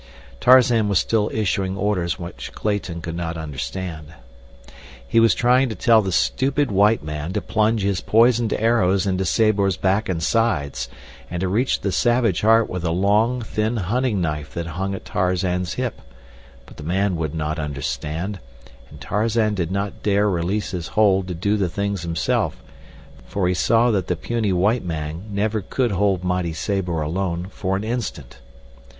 Tarzan was still issuing orders which Clayton could not understand. He was trying to tell the stupid white man to plunge his poisoned arrows into Sabor's back and sides, and to reach the savage heart with the long, thin hunting knife that hung at Tarzan's hip; but the man would not understand, and Tarzan did not dare release his hold to do the things himself, for he knew that the puny white man never could hold mighty Sabor alone, for an instant.